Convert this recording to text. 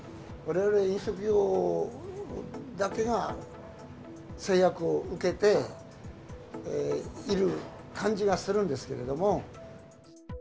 われわれ飲食業だけが制約を受けている感じがするんですけども。